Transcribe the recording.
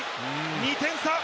２点差。